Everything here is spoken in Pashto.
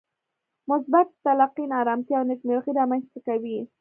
مثبت تلقين ارامتيا او نېکمرغي رامنځته کوي.